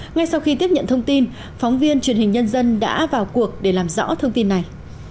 ngay sau khi tiếp nhận thông tin phóng viên truyền hình nhân dân đã vào cuộc để làm rõ thông tin này